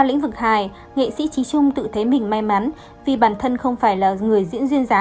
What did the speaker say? lĩnh vực hài nghệ sĩ trí trung tự thấy mình may mắn vì bản thân không phải là người diễn duyên giá